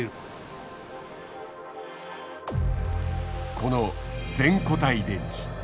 この「全固体電池」。